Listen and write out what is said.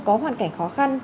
có hoàn cảnh khó khăn